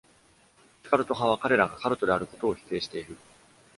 シュカルト派は彼らがカルトであることを否定している。